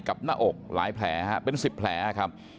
หน้าอกหลายแผลเป็น๑๐แผลครับ